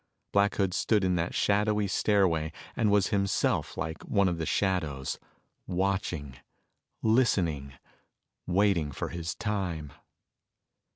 Black Hood stood in that shadowy stairway and was himself like one of the shadows watching, listening, waiting for his time.